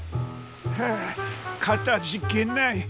はあかたじけない。